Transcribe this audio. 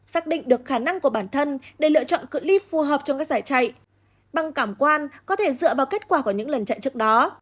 xác định được khả năng của bản thân để lựa chọn cự li phù hợp trong các giải chạy bằng cảm quan có thể dựa vào kết quả của những lần chạy trước đó